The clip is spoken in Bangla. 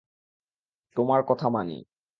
তোমার কথা মানি।